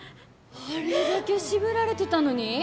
あれだけ渋られてたのに！？